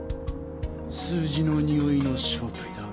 数字のにおいの正体だ。